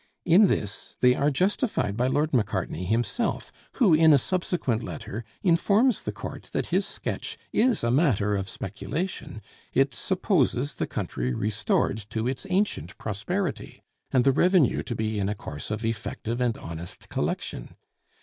In this they are justified by Lord Macartney himself, who in a subsequent letter informs the court that his sketch is a matter of speculation; it supposes the country restored to its ancient prosperity, and the revenue to be in a course of effective and honest collection.